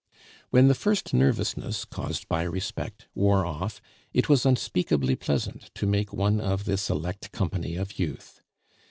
When the first nervousness, caused by respect, wore off, it was unspeakably pleasant to make one of this elect company of youth.